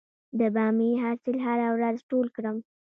د بامیې حاصل هره ورځ ټول کړم؟